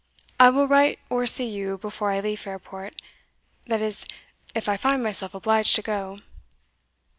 I will write or see you, before I leave Fairport that is, if I find myself obliged to go."